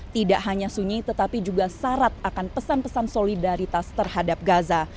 tidak hanya sunyi tetapi juga syarat akan pesan pesan solidaritas terhadap gaza